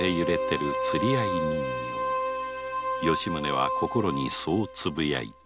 吉宗は心にそうつぶやいた